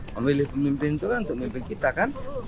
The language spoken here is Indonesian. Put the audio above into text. memilih pemimpin itu kan untuk memimpin kita kan